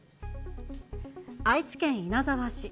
愛知県稲沢市。